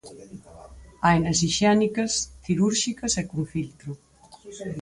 Hainas hixiénicas, cirúrxicas e con filtro.